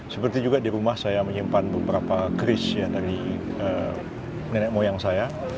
seperti juga di rumah saya menyimpan beberapa keris dari nenek moyang saya